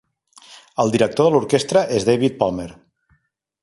El director de l'orquestra és David Palmer.